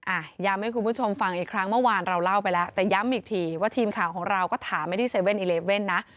ย้ำให้คุณผู้ชมฟังอีกครั้งเมื่อวานเราเล่าไปแล้วแต่ย้ำอีกทีว่าทีมข่าวของเราก็ถามไปที่๗๑๑นะ